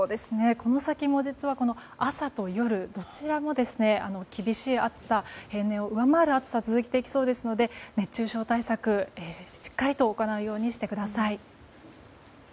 この先も実は朝と夜、どちらも厳しい暑さ、平年を上回る暑さが続きそうなので熱中症対策、しっかりと行うようにしてください。